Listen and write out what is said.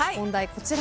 こちら。